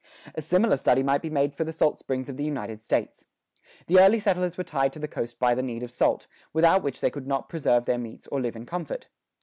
A similar study might be made for the salt springs of the United States. The early settlers were tied to the coast by the need of salt, without which they could not preserve their meats or live in comfort.